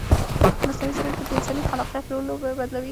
مصنوعي ځیرکتیا د انساني خلاقیت رول بدلوي.